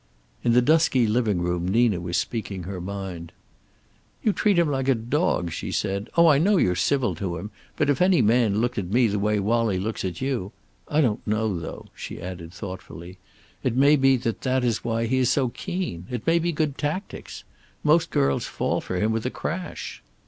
In the dusky living room Nina was speaking her mind. "You treat him like a dog," she said. "Oh, I know you're civil to him, but if any man looked at me the way Wallie looks at you I don't know, though," she added, thoughtfully. "It may be that that is why he is so keen. It may be good tactics. Most girls fall for him with a crash."